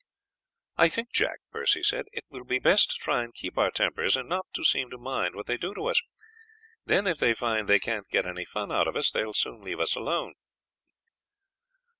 "I think, Jack," Percy said, "it will be best to try and keep our tempers and not to seem to mind what they do to us, then if they find they can't get any fun out of us they will soon leave us alone."